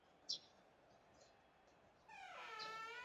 他在一个白人社区里长大。